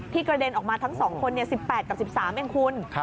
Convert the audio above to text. กระเด็นออกมาทั้ง๒คน๑๘กับ๑๓เองคุณ